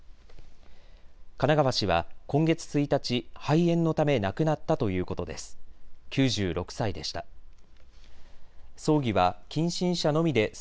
金川氏は今月１日、肺炎のため亡くなったということです。